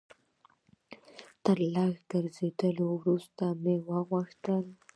تر لږ ګرځېدو وروسته مې وغوښتل.